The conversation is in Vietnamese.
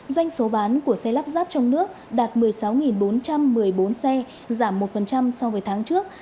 doanh số bán của xe lắp ráp trong nước đạt một mươi sáu bốn trăm một mươi bốn xe giảm một so với tháng trước